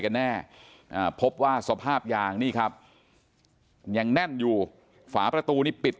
กันแน่พบว่าสภาพยางนี่ครับยังแน่นอยู่ฝาประตูนี้ปิด